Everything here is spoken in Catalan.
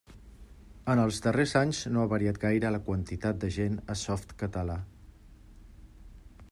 En els darrers anys no ha variat gaire la quantitat de gent a Softcatalà.